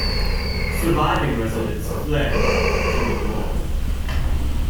Surviving residents fled to the north.